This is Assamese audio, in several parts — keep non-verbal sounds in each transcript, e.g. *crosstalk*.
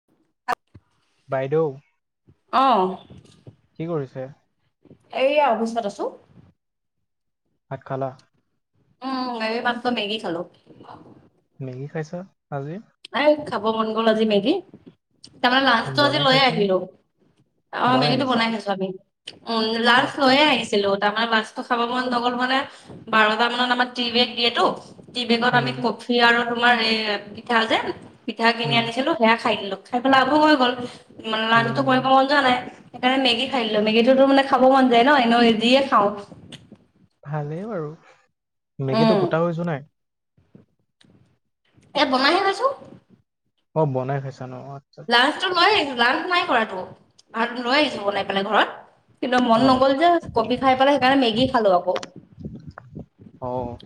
*inaudible* বাইদেউ অ', কি কৰিছে? এইয়া অৱস্থাত আছোঁ। ভাত খালা? উম, এই মাত্ৰ মেগি খালো। মেগী খাইছা আজি? এই খাব মন গ'ল আজি মেগি তাৰমানে লাঞ্চটো আজি বনাই লৈয়ে খাইছানে? আহিলো। অ', মেগীটো বনাই আনিছো আমি উম লাষ্ট আচ্ছা লৈয়ে আচ্ছা। আহিছিলো ডাঙৰ মাছ খাব মন ন গ'ল মানে বাৰটা মানত আমাৰ টি বেগ দিয়ে টো টি বেগত উম, আমি ক সেয়া আৰু তোমাৰ এই পিঠা যে পিঠা কিনি উম, আনিছিলো সেয়া খাই দিলো খাই পেলাই আকৌ হৈ গ'ল। ইমান লান্সটো কৰিব উম। মন যোৱা নাই। সেইকাৰণে মেগি খাই দিলো মেগীটোতো মানে খাব মন যায় ন এনেও জিয়ে খাওঁ। ভালেই বাৰু উম, মেগীটো গোটা কৰিছোঁ নাই? এয়া বনাই হে আছোঁ। অ', বনাই খাইছা ন আচ্ছা। লাঞ্চটো লৈ আহিছো লাস নাই কৰাটো ভাত লৈ আহিছো বনাই পেলাই ঘৰত। কিন্তু মন আচ্ছা। নগ'ল যে কবি খাই পেলাই সেইকাৰণে মেগী খালো আকৌ। অ'।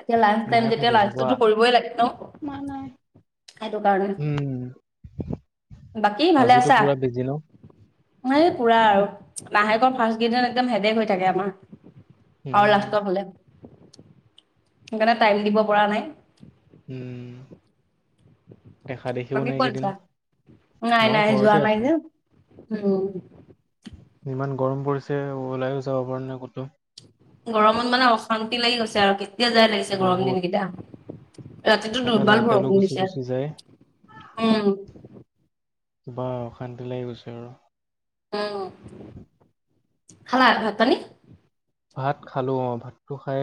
এতিয়া লাঞ্চ টাইম মায়ে ফোন তেতিয়া কৰিছিল যোৱা। লাঞ্চো কৰিবই লাগে ন। মা নাই। সেইটো কাৰণে উম, বাকী ভালে আজিতো আছা? পুৰা বিজি ন? ই পুৰা আৰু মাহেকৰ ফাৰ্ষ্ট কেইদ একদম হেদে হৈ থাকে আমাৰ। আৰু উম, লাষ্টৰ ফালে সেইকাৰণে টাইম দিব পৰা নাই। উম। দেখা দেখিও বাকী নাই ক'ত কেইদিন যা নাই মই নাই যোৱা ঘৰতে নাই যে আছো। উম। ইমান গৰম পৰিছে ওলাইো যাব পৰা নাই ক'তো। গৰমত মানে অশান্তি লাগি গৈছে আৰু কেতিয়া যাই লাগিছে গৰম বহুত। দিন কেইটা। ৰাতিটো তাতে দু্বাল লাইটডালো বৰষুণ গুচি দিছে গুচি যায়। উম। কিবা অশান্তি লাগি গৈছে আৰু। উম, খালা ভাত পানী? ভাত খালো অ' ভাতটো খাই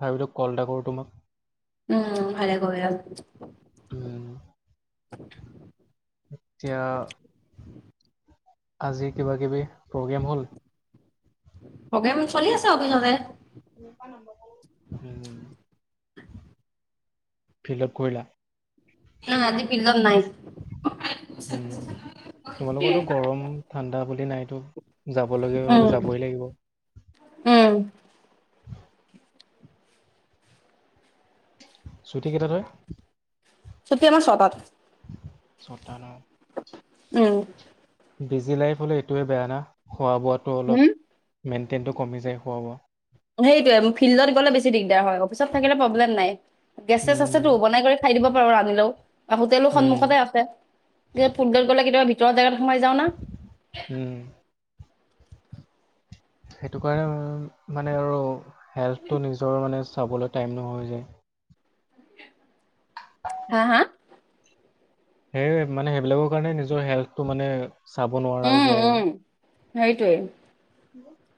ভাবিলো কল এটা কৰো তোমাক। উম, ভালে কৰিলা। উম, এতিয়া আজি কিবা কিবি প্ৰগ্ৰেম হ'ল? প্ৰগ্ৰেম চলি আছে অফিচতে। *inaudible* ফিল্ডত কৰিলা। না আজি ফিল্ডত নাই উম, তোমালোকৰটো গৰম ঠাণ্ডা বুলি নাইতো যাবলগীয়া উম হ'লে যাবই লাগিব। উম। *inaudible* ছুটি কেইটাত হয়? ছুটি আমাৰ ছটাত ছয়টা উম। বিজি লাইফ হ'লে এইটোৱে বেয়া না খোৱা বোৱাটো হুম অলপ মেইনটেইনটো কমি যায় খোৱা বোৱা। সেইটোৱয়ে ফিল্ডত গ'লে বেছি দিগদাৰ হয় অফিচত থাকিলে প্ৰব্লেম নাই। গেছে চেচ উম, আছেতো বনাই কৰি খাই দিব পাৰো ৰান্ধিলেও হোটেলো উম, সন্মুখতে আছে। ফিল্ডত গ'লে কেতিয়াবা ভিতৰোৱা জেগাত সোমাই যাওঁ না। উম। সেইটো কাৰণে উম মানে আৰু হেল্থটো নিজৰ মানে চাবলৈ টাইম নহয় গে। *inaudible* হা হা? সেইয় মানে সেইবিলাকৰ কাৰণে নিজৰ হেল্থটো মানে চাব নোৱাৰা হৈ যায় আৰু। সেইটোৱেই। *unintelligible*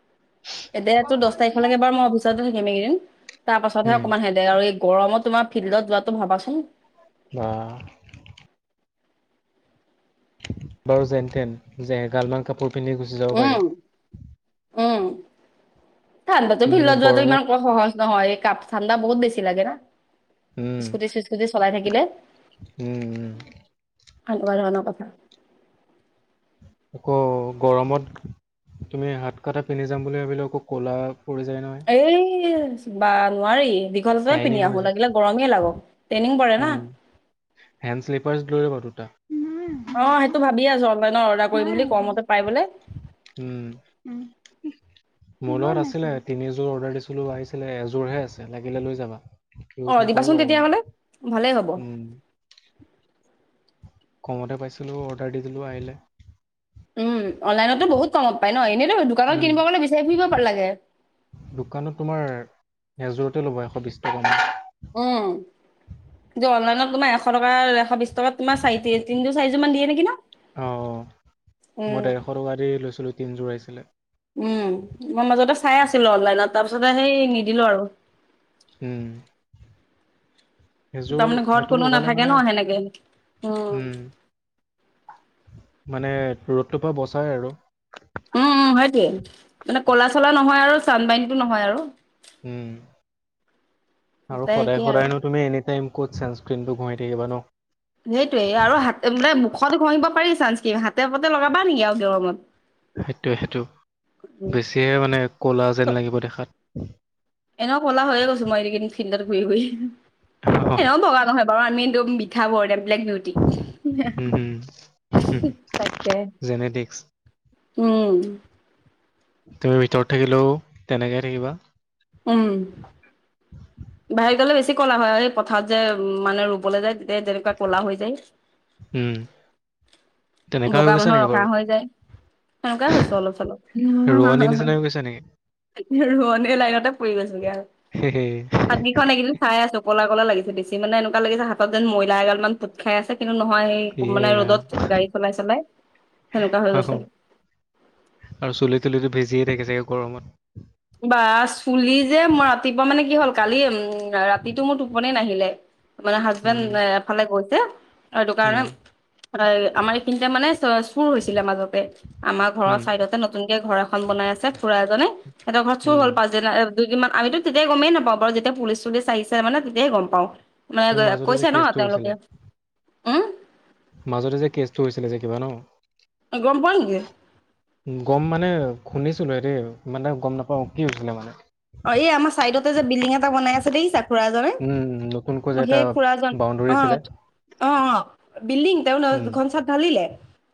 এতিয়া তো দছ তাৰিখলৈকে বাৰু মই অফিচতে থাকিম এই কেইদিন তাৰ পাছতহে উম, অকনমান হে আৰু এই গৰমত তোমাৰ ফিল্ডত যোৱাতটো ভাবাছোন। বা বাৰু যেনতেন যে এগালমান কাপোৰ পিন্ধি গুচি যাব পাৰি। উম উম, ঠাণ্ডাটো তুমি ফিল্ডত যোৱাটো গৰমত ইমান ক সহজ নহয় এই কাম। ঠাণ্ডা বহুত বেছি লাগে না উম, স্কুটি চিচস্কুটি চলাই থাকিলে। উম, উম। কালুৱা ধৰণৰ কথা। আকৌ গৰমত তুমি হাত কটা পিন্ধি যাম বুলি ভাবিলোঁ। আকৌ ক'লা পৰি যায় নহয়। এই বা নোৱাৰি দীঘল জোৰে টাইনিং পিন্ধি হৈ আহো, যায়। লাগিলে গৰমেই লাগক ট্ৰেইনিং পৰে না। উম, হেণ্ড শ্লিপাৰছ লৈ আহিব দুটা *unintelligible* অ' সেইটো ভাবিয়ে আছোঁ অনলাইনত অৰ্ডাৰ কৰিম বুলি কমতে পাই বোলে। উম, উম। মোৰ লগত আছিলে তিনিযোৰ অৰ্ডাৰ দিছিলোঁ আহিছিলে এযোৰহে আছে লাগিলে লৈ যাবা। অ ইউজ নকৰোঁ দিবাচোন বাৰু তেতিয়াহ'লে ভালেই হ'ব মই উম। কমতে পাইছিলোঁ অৰ্ডাৰ দি দিলোঁ আহিলে। উম, অনলাইনতো বহুত কমত পাই ন এনেইতো দোকানত উম, কিনিব গ'লে বিচাৰি ফুৰিব লাগে। দোকানত তোমাৰ এযোৰতে ল'বা এশ বিশ টকামান। উম, অনলাইনত তোমাৰ এশ টকা, এশ বিশ তলত তোমাৰ চাৰি তিনি যো মান দিয়ে নেকি ন। অ' মই উম ডেৰশ টকা দি লৈছিলোঁ। তিনিযোৰ আহিছিলে। উম, মই মাজতে চাই আছিলোঁ, অনলাইনত তাৰপিছতে সেই নিদিলোঁ আৰু। উম। এইযোৰ তাৰমানে ঘৰত সেইটো কোনো লগালে নাথাকে ন মানে সেনেকে। উম। মানে ৰ'দটোৰ পৰা বচাই আৰু উম, উম, সেইটোৱে মানে ক'লা চলা নহয় আৰু চান্বাননীতটো নহয় আৰু। উম, আৰু দুটাই সদায় একেই আৰু সদায়নো তুমি এনিটাইম ক'ত ছেনেস্কণটো ঘহি থাকিবা ন। সেইটোয়ে আৰু হাতে মানে মুখত ঘঁহিব পাৰি চানঞ্চ হাতে পাতে লগাবা নেকি আৰু গৰমত। হেইটো হেইটো বেছি মানে ক'লা যেন লাগিব দেখাত। এনেও কলা য়ে হৈয়ে গৈছো মই এই কেইদিন ফিল্ডত ঘূৰি ঘূৰি এনেও বগা নহয় বাৰু। আমি একদম মিঠা বৰণীয়া বিলেক বিউটি। উম, হুম। তাকে জেনেটিক্স উম। তুমি ভিতৰত থাকিলেও তেনেকৈ থাকিবা। উম। বাহিৰত গ'লে বেছি ক'লা হয়। এই পথাৰত যে মানে ৰুবলৈ যায়। দে যেনেকুৱা ক'লা হৈ যায়। উম। তেনেকা হৈ বগা গৈছা মানুহ নেকি ৰঙা বাৰু হৈ যায়, সেনেকুৱাই হৈছো অলপ চলপ। ৰুৱনি নিচিনা হৈ গৈছা নেকি? ৰুৱনি লাইনতে পৰি গৈছোঁ গৈ আৰু। হে, হে হাতকেইখন এইকেইদিন চাই আছোঁ। ক'লা ক'লা লাগিছে, বেছি মানে এনেকুৱা লাগিছে হাতত যেন মইলাএগাল মান পোট খাই আছে। কিন্তু, নহয় সেই ইয়ে মানে ৰাম। ৰ'দত গাড়ী চলাই চলাই সেনেকুৱা হৈ গৈছে।। আৰু চুলি টুলিটো ভিজিয়ে থাকে চাগে গৰমত। বা চুলি যে মোৰ ৰাতিপুৱা মানে কি হ'ল কালি উম, ৰাতিটো মোৰ টোপনি নাহিলে। মানে উম, হাজবেণ্ড এফালে গৈছে, সেইটো উম, কাৰণে। মানে আমাৰ এইখিনিতে মানে চ চুৰ হৈছিলে মাজতে। আমাৰ ঘৰৰ উম, চাইদতে নতুনকে ঘৰ এখন বনাই আছে খুৰা এজনে সিহঁতৰ ঘৰত চুৰ উম। হ'ল, পাঁচ যে দুইদিনমান আমিতো তেতিয়া গমেই নাপাওঁ বাৰু যেতিয়া পুলিচ চুলিচ আহিছে মানে তেতিয়াই গ'ম পাওঁ। এই মানে মাজতে যে কৈছে ন কেচটো তেওঁলোকে, হৈছিলে, উম। মাজতে যে কেচটো হৈছিলে যে কিবা ন। অ' গ'ম পোৱা নেকি? গ'ম মানে শুনিছিলো হে দ ইমান এটা গ'ম নাপাওঁ কি হৈছিলে মানে। অ' এই আমাৰ ছাইডতে যে বিল্ডিং এটা বনাই আছে দেখিছা। খুৰা জনে উম, নতুনকৈ যে এটা সেই খুৰাজন বাউণ্ডৰী আছিলে। অ'। অ' অ' বিল্ডিং তেওঁ উম, দুখন চাট ঢালিলে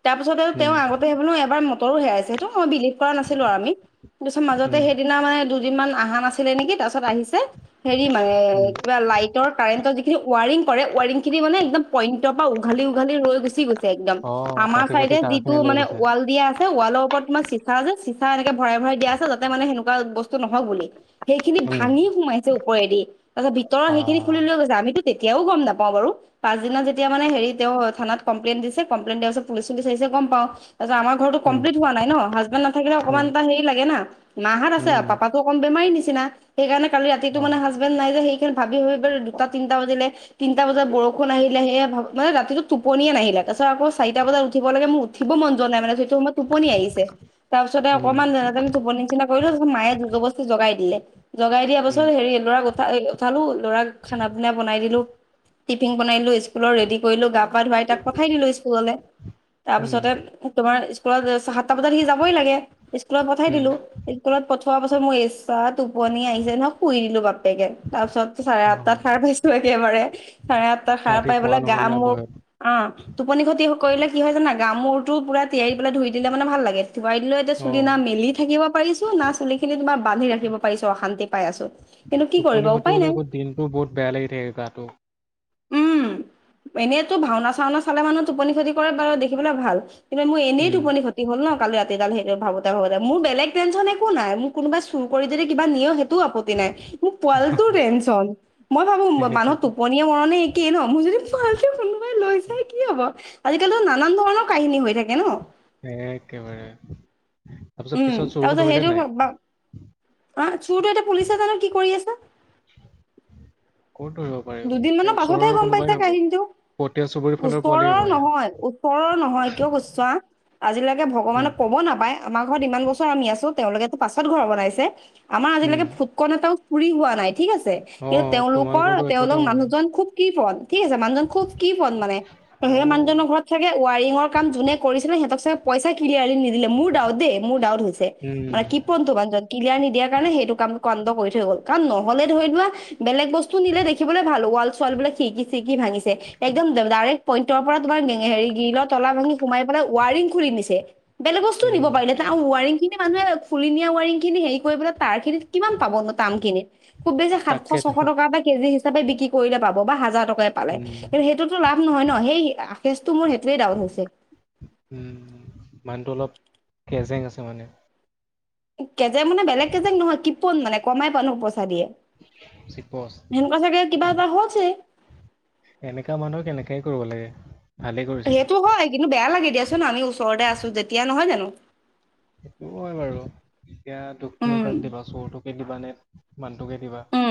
তাৰ পিছতে উম, তেওঁ আগতে বো এবাৰ মটৰো হেৰাইছে সেইটো মই বিলিভ কৰা নাছিলো আৰু আমি, তাৰ পিছত মাজতে উম, সেইদিনা মানে দুদিন মান অহা নাছিলে নেকি? তাৰপাছত আহিছে। হেৰি মানে উম। কিবা লাইটৰ কাৰেণ্টৰ যিখিনি ৱাৰিং কৰে ৱাৰিং খিনি মানে একদম পইণ্টৰ পৰা উঘালি উঘালি ৰৈ গুচি গৈছে, একদম অ' আমাৰ কাটি কাটি চাইডে যিটো তাঁৰখিনি লৈ মানে গৈছে। ৱাল দিয়া আছে ৱালৰ ওপৰত তোমাৰ চিচা আছে যে চিচা এনেকে ভৰাই ভৰাই দিয়া আছে যাতে মানে সেনেকুৱা বস্তু নহওঁক বুলি। সেইখিনি উম, ভাঙি সোমাইছে ওপৰেদি তাৰ পিছ ভিতৰৰ বা সেইখিনি খুলি লৈ গৈছে আমিতো এতিয়াও গম নাপাওঁ বাৰু। পাচদিনা যেতিয়া মানে হেৰি তেওঁ থানাত পাঁচদিনত মানে সেই হেৰি তেওঁ থানাৰ কমপ্লেইন দিছে কমপ্লেইন দিয়াৰ পাছত পুলিচ পুলিচ আহিছে গম পওঁ, তাৰপাছত আমাক ঘৰটো উম, কমপ্লিট হোৱা নাই ন হাজবেণ্ড নাথাকিলে অকমান উম, এটা হেৰি লাগে না, মাহাত আছে উম, পাপ ত অকন বেমাৰী নিচিনা সেইকাৰণে কালি ৰাতিটো মানে অ', হাজবেণ্ড নাই যে সেইখিনি ভাবি ভাবি ইবাৰ দুটা তিনিটা বাজিলে তিনিটা বজাত বৰষুণ আহিলে সেয়া মানে ৰাতিটো টোপনিয়ে নাহিলে, তাৰপিছত আকৌ চাৰিটা বজাত উঠিব লাগে মোৰ উথিব মন যোৱা নাই মানে সেইটো সময়ত টোপনি আহিছে, তাৰ পিছতে উম, অকনমান টোপনি নিচিনা কৰিলো মায়ে জবৰদস্তি জগাই দিলে জগাই দিয়া পাছত উম, হেৰি ল'ৰা উ উঠালো ল'ৰা খানা পিনা বনাই দিলো, টিফিন বনাই দিলো স্কুলৰ ৰেডি কৰিলো গা গা ধুৱাই তাক পঠাই দিলো স্কুললে, তাৰ পিছ উম, তোমাৰ স্কুলত তাৰ পাছত সি যাবই লাগে স্কুলত পঠাই উম, দিলো স্কুলত পঠোৱা পাছত, মই এইচাত টোপনি আহিছে ন শুই দিলো বাপেকে তাৰ পিছত চাৰে অ'। আঠটাত সাৰ পাইছো একেবাৰে। চাৰে আঠটা সাৰ ৰাতি পাই শুৱা বেলেগ গা নহ'ল না মোৰ ভয়ত। অ' টোপনি ক্ষতি কৰিলে কি হয় জানা গামোৰটো পুৰা তিয়াৰি পেলাই ধুই দিলে মানে ভাল লাগে ধুৱাই লৈ চুলি অ'। না মেলি থাকিব পাৰিছো না চুলি খিনি তোমাৰ বান্ধি ৰাখিব পাৰিছো অশান্তিত। পাই আছো, কিন্তু কি কৰিব উপায় নাই। দিনতটো বহুত বেয়া লাগি থাকে গাটো। উম, এনেইতো ভাওনা চাওনা চালে মানুহ টোপনি ক্ষতি কৰে বাৰু দেখিবলৈ ভাল কিন্ত মই এনে উম, টোপনি ক্ষতি। তি হ'ল ন কালি ৰাতি *unintelligible* সেইটো ভাৱতে ভাৱতে মোৰ বেলেগ তেঞ্চন একো নাই মোক কোনোবা চুৰ কৰি যদি কিবা নিয়ে, সেই টো আপত্তি নাই মোক পোৱালিটোৰ টেনচন মই ভাবো সেইটো মানুহৰ টোপনি মৰণে একেই নহ, মোৰ যদি পোৱালিটো কোনোবাই লৈ যায় ই কি হ'ব? আজিকালি নানান ধৰণৰ কাহিনী হৈ থাকে ন। এ একেবাৰে তাৰপিছত উম পিছত তাৰপিছত চৰটো ধৰিলে সেইটো নাই? অ' চুৰটো এতিয়া পুলিচে জানো কি কৰি আছে। *unintelligible* দুদিন মানৰ পাছতহে ওচৰৰ গম কোনোবাই পাইছে হ'ব, কাহিনীটো। পতিয়া চুবুৰীৰ ফালৰ ওচৰৰ পোৱালি হ'ব এয়া। নহয় ওচৰৰ নহয় কিয় কৈছোঁ চোৱা আজিলৈকে উম, ভগৱানক ক'ব নাপায় আমাৰ ঘৰত ইমান বস্তু আমি আছো তেওঁলোকেতো পাছত ঘৰ বনাইছে, আমাৰ উম, আজিলৈকে ফুটকন এটাও চুৰি হোৱা নাই। ঠিক আছে, কিন্তু অ', তেওঁলোকৰ তোমালোকৰতো একোতে তেওঁলোক হোৱা নাই। মানুহজন খুব কৃপণ ঠিক আছে মানুহজন খুব কৃপণ মানে। সেই অ', মানুহজনৰ ঘৰত চাগে ৱায়াৰিঙৰ কাম যোনে কৰিছিলে, সিহঁতক চাগে পইচা ক্লিয়াৰলি নিদিলে মোৰ দাওত দেই। মোৰ ডাউট হৈছে। উম। *unintelligible* বানজন ক্লিয়াৰ নিদিয়াৰ কাৰণে সেইটো কাম কন্দ কৰি থৈ গ'ল, কাৰণ নহ'লে ধৰি লোৱা বেলেগ বস্তু নিলে দেখিবলৈ ভাল ৱাল ছোৱাল বিলাক শিৰকি চিৰকি ভাঙিছে একদম ডাইৰেক্ট পইণ্ট তাৰপৰা তোমাৰ হেৰি গিলৰ তলা ভাঙি, সোমাই পেলাই ৱাৰিং খুলি নিছে, বেলেগ বস্তও উম, নিব পাৰিলে ৱাৰিংখিনি মানুহে খুলি নিয়া ৱাৰিংখিনি হেৰি কৰি পেলাই তাৰখিনিত কিমান পাবনো তামখিনিত। খুব বেছি সাতশ, ছশ তাকেতো। টকা এটা কেজি হিচাপে বিক্ৰী কৰিলে পাব বা হাজাৰ টকা পালে উম, কিন্তু সেইটোতো লাভ নহয় ন' সেই আশেষটো মোৰ সেইটোৱে ডাউট হৈছে। উম, মানুহটো অলপ কেজেং আছে মানে। কেজেং মানে বেলেগ কেজেং নহয় ক্ৰিপুণ মানে কমাই পানো পইচা দিয়ে। চিপচ। সেনেকুৱা চাগে কিবা এটা হৈছে। এনেকা মানুহক এনেকাই কৰিব লাগে। ভালেই কৰিছে, সেইটো হয় কিন্তু বেয়া লাগে দিয়াচোন, আমি ওচৰতে আছোঁ যেতিয়া নহয় জানো। সেইটোও হয় বাৰু এতিয়া দুখনো উম কাক দিবা চোৰটোকে দিবা নে মানুহটোকে দিবা। উম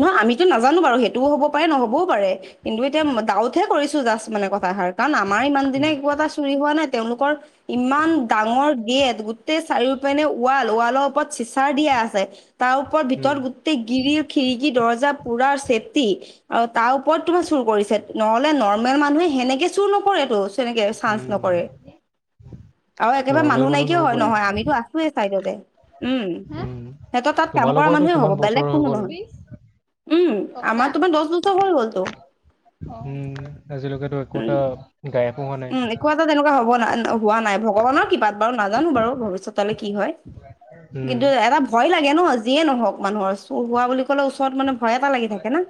নহয় আমিতো নাজানো বাৰু, সেইটোও হ'ব পাৰে নহ'বও পাৰে। কিন্তু এতিয়া ডাউটহে কৰিছোঁ জাষ্ট মানে কথাষাৰ। কাৰণ আমাৰ ইমান দিনে উম, একো এটা চুৰি হোৱা নাই, তেওঁলোকৰ ইমান ডাঙৰ গেট, গোটেই চাৰিওপিনে ৱাল, ৱালৰ ওপৰত চিচাৰ দিয়া আছে, তাৰ ওপৰত উম, ভিতৰত গোত টেই গিৰিল, খিৰিগি, দৰ্জা পোৰা চেপটি আৰু তাৰ ওপৰত তোমাৰ চুৰ কৰিছে নহ'লে নৰ্মেল মানুহে হেনেকে চুৰ নকৰেতো। তেনেকে চাঞ্চ উম, নকৰে। আৰু একেবাৰে নৰ্মেল মানুহ নাইকিয়া হয় নহবই নহয়, আমিতো আছোঁ। চাইডতে উম, উম, সিহঁতৰ তাত কাম কৰা তোমালোকৰতো মানুহে হ'ব, কিমান বছৰ বেলেগ হৈ কোনো গ'ল নহয়। উম, আমাৰ তোমাৰ দহ বছৰ হৈ গ'লতো। উম, আজিলৈকেতো একো উম এটা উম, একো এটা তেনেকুৱা হ'ব ন' হোৱা নাই ভগৱানৰ কিপাত বাৰু নাজানো বাৰু ভৱিষ্যতলৈ কি হয় উম, কিন্তু এটা ভয় লাগে ন' যিয়ে নহওক মানুহৰ চুৰ হোৱা বুলি ক'লে ওচৰত মানে ভয় এটা লাগি থাকে না।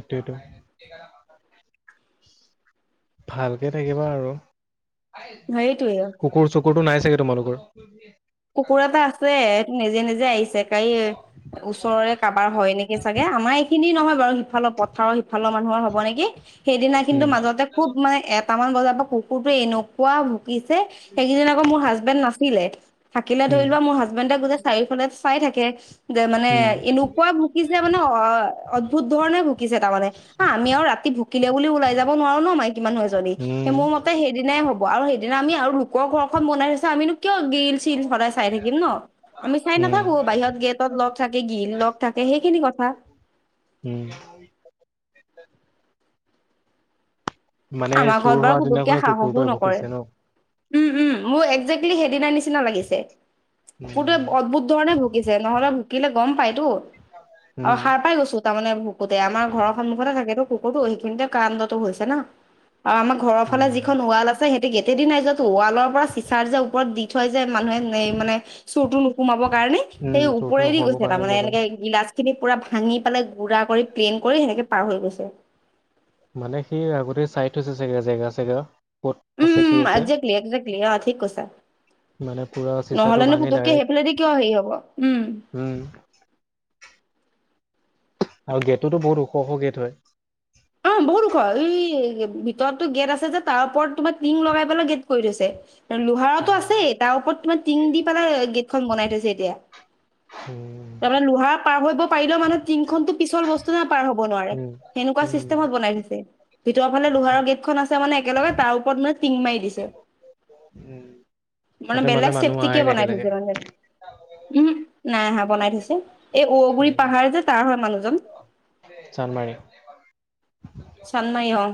এইটোৱেটো। ভালকে থাকিবা আৰু। সেইটোৱে কুকুৰ চোকুৰতো নাই চাগে তোমালোকৰ? কুকুৰ এটা আছে, সেইটো নিজে নিজে আহিছে, কাই ওচৰৰে কাবাৰ হয় নেকি চাগে, আমাৰ এইখিনি নহয় বাৰু সিফালৰ পথাৰৰ সিফালৰ মানুহৰ হ'ব নেকি। সেইদিনা কিন্তু উম, মাজতে খুব মানে এট টামান বজাৰপৰা কুকুৰটো এনেকুৱা ভুকিছে, সেইকেইজন আকৌ মোৰ হাজবেণ্ড নাছিলে। থাকিলে ধৰি উম, লোৱা মোৰ হাজবেণ্ডে গোটেই চাৰিওফালে চাই থাকে যে মানে উম, এনে কই ভুকিছে মানে অ-অদ্ভুত ধৰণে ভুকিছে তাৰমানে। আ, আমি আৰু ৰাতি ভুকিলে বুলিও ওলাই যাব নোৱাৰো ন' মাইকী মানুহ এজনি। উম, মোৰ মতে সেইদিনাই হ'ব আৰু সেইদিনা আমি আৰু লোকৰ ঘৰখন বনাই থৈছে, আমিনো কিয় গিৰিল চিল তিন সদাই চাই থাকিম ন'? আমি চাই উম, নাথাকো, বাহিৰত গেটত লগ থাকে, ঘিৰিল লগ থাকে সেইখিনি কথা। উম। মানে আমাৰ চুৰ ঘৰত হোৱা বাৰু বুবুক্কে দিনাখনে সাহসো কুকুৰটোৱে নকৰে। ভুকিছে ন? উম, উম, মোৰ একজেক্টলি সেইদিনা নিচিনা লাগিছে। উম, কুুকুৰটোৱে অদ্ভুত ধৰণে ভুকিছে নহ'লে ভুকিলে গম পাইতো, অ' উম, সাৰ পাই গৈছোঁ। তাৰমানে ভুকুতে আমাৰ ঘৰৰ সন্মুখতে থাকেতো কুকুৰটো সেইখিনিতে কানডটো হৈছে না। আৰু আমাৰ ঘৰৰফালে উম, যিখন ৱাল আছে সিহঁতি গেইটেদি নাই যোৱাটো, ৱালৰপৰা চিচাৰ যে ওপৰত দি থৈ যে মানুহে মানে চোৰটো নোসোমাবৰ কাৰণে উম, সেই চোৰটো ওপৰেদি নোসোমাবৰ গৈছে কাৰণে তাৰমানে লগাই এনেকে গিলাচ খিনি পুৰা ভাঙি পেলাই গুড়া কৰি, প্লেইন কৰি সেনেকে পাৰ হৈ গৈছে। মানে সি আগতে চাই থৈছে চাগে জেগা চেগা। ক'ত উম, আছে কি উম, আছে একজেক্লি একজেক্লি। অ' ঠিক কৈছা। মানে পুৰা চিচাটো নহ'লে নে ভাঙি পুতুককে ডাইৰেক্ট সেই পেলাইদি কিয় হেৰি হ'ব, উম, উম, আৰু গেটটোতো বহুত ওখ ওখ গেট হয়। অ, বহুত ওখ এই ভিতৰতো গেট আছে যে তাৰ ওপৰত তোমাৰ টিং লগাই পেলাই গেট কৰি থৈছে। বা লোহাৰতো আছে তাৰ ওপৰত তোমাৰ টিং দি পেলাই গেটখন বনাই থৈছে এতিয়া। উম, তাৰমানে লোহা পাৰ হব পাৰিলেও মানুহে টিনংখনতো পিছল বস্তু নে পাৰ হব নোৱাৰে উম সেনেকুৱা উম চিছ লাইন আছে, ভিতৰ ফালে লোহাৰ গেটখন আছে মানে একেলগে তাৰ ওপৰত মানেটিং মাৰি দিছে। উম মানে তাতে বেলেগ মানুহ চেফটিকে আহাই নাই বনাই এতিয়ালৈকে থৈছে মানে। উম, নাই অহা বনাই থৈছে, এই বৰগুৰি পাহাৰ যে তাৰ হয় মানুহজন। চানমাৰি? চানমাৰি অ,